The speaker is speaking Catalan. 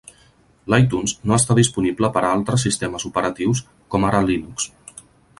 L'iTunes no està disponible per a altres sistemes operatius, com ara Linux.